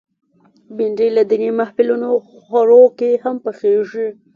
بېنډۍ له دینی محفلونو خوړو کې هم پخېږي